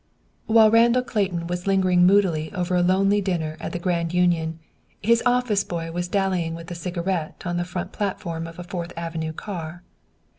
While Randall Clayton was lingering moodily over a lonely dinner at the Grand Union, his office boy was dallying with a cigarette on the front platform of a Fourth Avenue car.